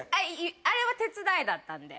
あれは手伝いだったんで。